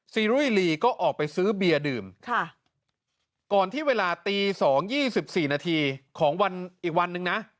ซีรีก็ออกไปซื้อเบียร์ดื่มค่ะก่อนที่เวลาตี๒๒๔นาทีของวันอีกวันนึงนะ